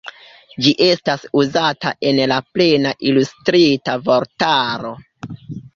Ĝi estas uzata en la Plena Ilustrita Vortaro.